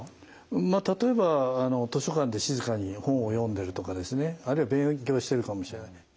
例えば図書館で静かに本を読んでるとかですねあるいは勉強してるかもしれない。